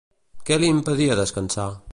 Què li impedia descansar?